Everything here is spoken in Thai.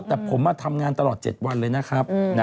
แต่ผมทำงานตลอด๗วันเลยนะครับ